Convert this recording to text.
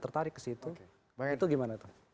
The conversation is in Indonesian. tertarik ke situ itu gimana tuh